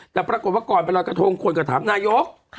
แต่ปรากฏว่าก่อนไปรอยกระทงคนก็ถามนายก